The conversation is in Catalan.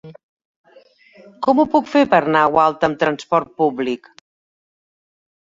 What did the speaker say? Com ho puc fer per anar a Gualta amb trasport públic?